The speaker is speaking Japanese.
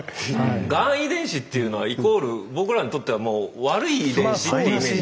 がん遺伝子っていうのはイコール僕らにとってはもう悪い遺伝子っていうイメージになっちゃうんで。